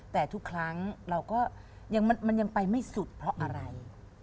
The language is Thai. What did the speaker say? แต่ทุกครั้งเราก็ยังไปไม่สุดเพราะอะไร